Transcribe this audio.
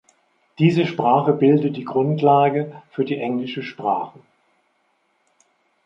Diese Sprache bildet die Grundlage für die englische Sprache.